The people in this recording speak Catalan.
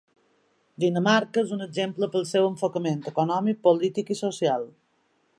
Dinamarca és un exemple pel seu enfocament econòmic, polític i social.